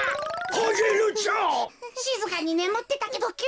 しずかにねむってたけどきゅうに。